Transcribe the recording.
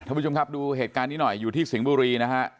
ผู้ชมดูเหตุการณ์นี้หน่อยอยู่ที่สิงห์บุรีนะฮะ